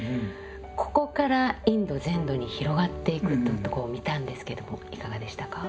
ここからインド全土に広がっていくというとこを見たんですけどもいかがでしたか？